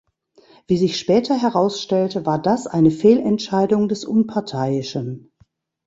Wie sich später herausstellte, war das eine Fehlentscheidung des Unparteiischen.